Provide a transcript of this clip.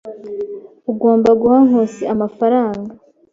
Ugomba guha Nkusi amafaranga.